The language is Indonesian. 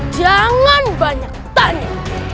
jangan banyak tanya